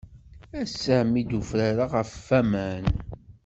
Ass-a mi d-ufrareɣ ɣef waman.